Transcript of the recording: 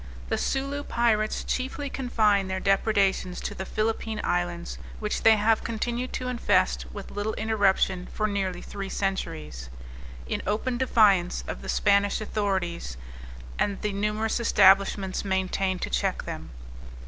The Soolo pirates chiefly confine their depredations to the Phillipine Islands, which they have continued to infest, with little interruption, for near three centuries, in open defiance of the Spanish authorities, and the numerous establishments maintained to check them.